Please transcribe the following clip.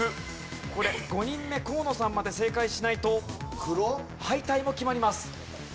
ここで５人目河野さんまで正解しないと敗退も決まります。